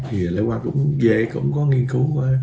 thì lê quang cũng về cũng có nghiên cứu